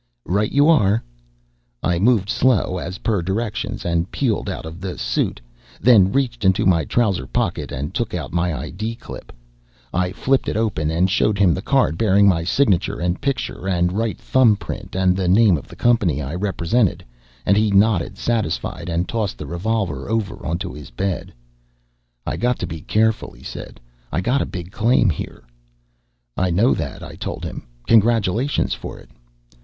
"Right you are." I moved slow, as per directions, and peeled out of the suit, then reached into my trouser pocket and took out my ID clip. I flipped it open and showed him the card bearing my signature and picture and right thumb print and the name of the company I represented, and he nodded, satisfied, and tossed the revolver over onto his bed. "I got to be careful," he said. "I got a big claim here." "I know that," I told him. "Congratulations for it."